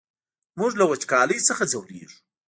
موږ له وچکالۍ څخه ځوريږو!